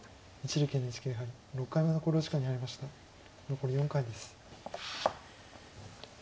残り４回です。